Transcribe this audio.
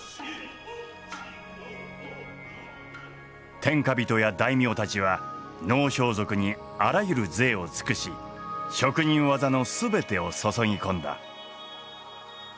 天下人や大名たちは能装束にあらゆる贅を尽くし職人技の全てを注ぎ込んだ。